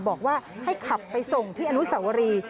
บอกว่าให้ขับไปส่งที่อนุสวรี